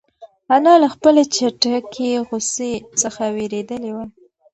انا له خپلې چټکې غوسې څخه وېرېدلې وه.